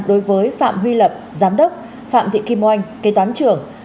đối với phạm huy lập giám đốc phạm thị kim oanh kế toán trưởng